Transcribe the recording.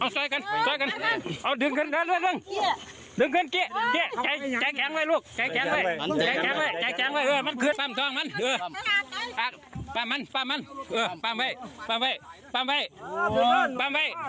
สวัสดีครับ